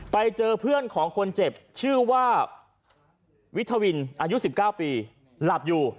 ไปเจอเพื่อนของคนเจ็บชื่อว่าวิทวินอายุ๑๙ปีหลับอยู่